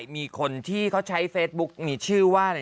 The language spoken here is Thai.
มีคนที่เขาใช้เฟซบุ๊กมีชื่อว่าอะไร